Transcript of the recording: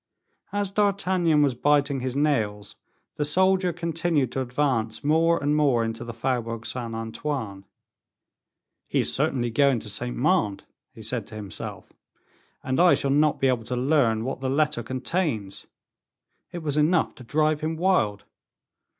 As D'Artagnan was biting his nails, the soldier continued to advance more and more into the Faubourg Saint Antoine. "He is certainly going to Saint Mande," he said to himself, "and I shall not be able to learn what the letter contains." It was enough to drive him wild.